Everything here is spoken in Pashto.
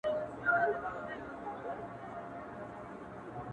هغه خو زما کره په شپه راغلې نه ده-